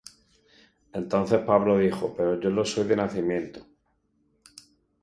Entonces Pablo dijo: Pero yo lo soy de nacimiento.